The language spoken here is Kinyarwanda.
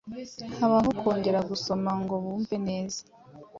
habaho kongera gusoma ngo bumve neza